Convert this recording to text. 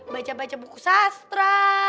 baca baca buku sastra